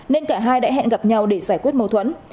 nên cả hai đã hẹn gặp nhau để giải quyết mâu thuẫn